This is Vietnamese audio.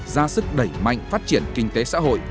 ra sức đẩy mạnh phát triển kinh tế xã hội